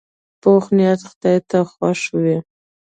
پوخ نیت خدای ته خوښ وي